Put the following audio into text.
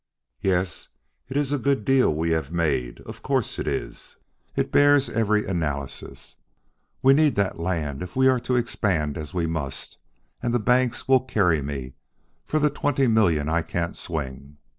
"Yes, it is a good deal we have made of course it is! it bears every analysis. We need that land if we are to expand as we must, and the banks will carry me for the twenty million I can't swing.